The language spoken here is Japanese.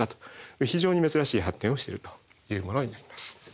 非常に珍しい発展をしてるというものになります。